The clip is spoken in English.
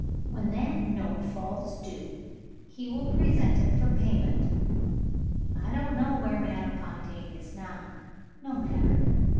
When that note falls due, he will present it for payment. I don't know where Madame Fontaine is now. No matter!